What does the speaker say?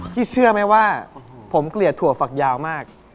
เชื่อไหมว่าผมเกลียดถั่วฝักยาวมาก